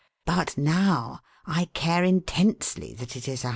But now I care intensely that it is £156.